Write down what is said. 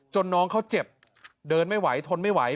น้องเขาเจ็บเดินไม่ไหวทนไม่ไหว